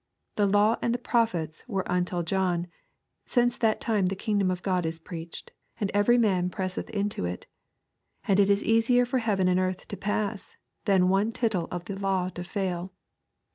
16 The law and the prophets wer€ until John : since that time the king dom of God is preached, and every man presseth into it. 17 And it is easier for heaven and earth to pass, than one tittle of the law to fail.